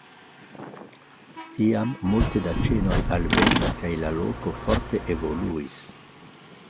Tiam multe da ĉinoj alvenis kaj la loko forte evoluis.